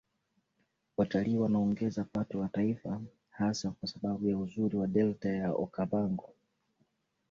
Watalii wanaongeza pato la taifa hasa kwa sababu ya uzuri wa delta ya Okavango